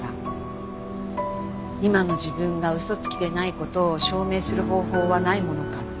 今の自分が嘘つきでない事を証明する方法はないものか。